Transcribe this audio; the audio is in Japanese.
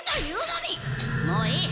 もういい！